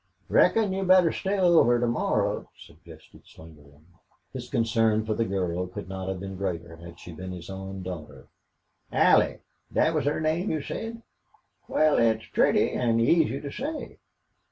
"Reckon you'd better stay over to morrow," suggested Slingerland. His concern for the girl could not have been greater had she been his own daughter. "Allie thet was her name, you said. Wal, it's pretty an' easy to say."